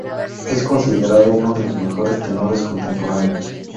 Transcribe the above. Es considerado uno de los mejores tenores contemporáneos.